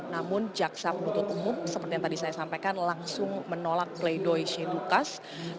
namun jaksa penuntut umum seperti yang tadi saya sampaikan langsung menolak pleidoy shane lucas